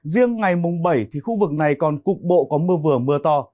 riêng ngày mùng bảy thì khu vực này còn cục bộ có mưa vừa mưa to